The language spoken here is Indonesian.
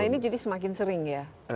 ini jadi semakin sering ya